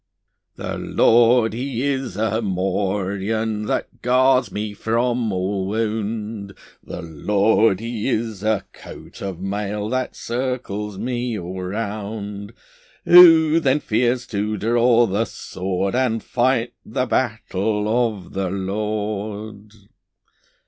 The Lord He is a morion That guards me from all wound; The Lord He is a coat of mail That circles me all round. Who then fears to draw the sword, And fight the battle of the Lord?